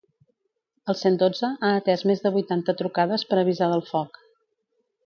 El cent dotze ha atès més de vuitanta trucades per avisar del foc.